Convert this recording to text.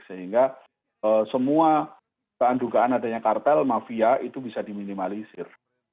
sehingga semua keandungan adanya kartel mafia itu bisa diminimalisir